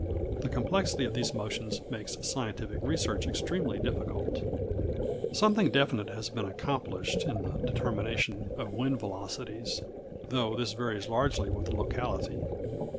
The complexity of these motions makes scientific research extremely difficult. Something definite has been accomplished in the determination of wind velocities, though this varies largely with the locality.